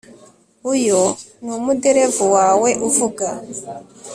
Uyu ni umuderevu wawe avuga